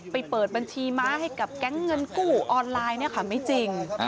เปิดบัญชีม้าให้กับแก๊งเงินกู้ออนไลน์เนี่ยค่ะไม่จริง